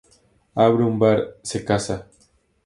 Abre un bar, se casa.